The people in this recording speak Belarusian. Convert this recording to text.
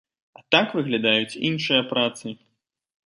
А так выглядаюць іншыя працы.